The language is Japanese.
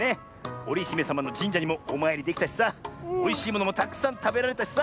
おりひめさまのじんじゃにもおまいりできたしさおいしいものもたくさんたべられたしさ！